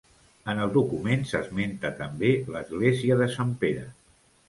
En el document, s'esmenta també l'església de Sant Pere.